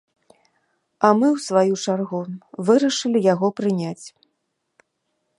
А мы, у сваю чаргу, вырашылі яго прыняць.